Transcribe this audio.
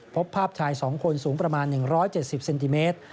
พบภาพชาย๒คนสูงประมาณ๑๗๐เซนติเมตร